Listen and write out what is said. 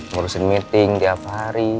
ngurusin meeting tiap hari